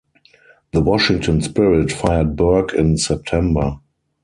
The Washington Spirit fired Burke in September.